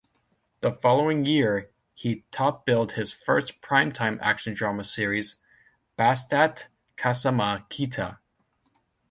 The following year, he topbilled his first primetime action-drama series, Basta't Kasama Kita.